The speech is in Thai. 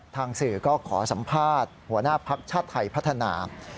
สื่อก็ขอสัมภาษณ์หัวหน้าภักดิ์ชาติไทยพัฒนา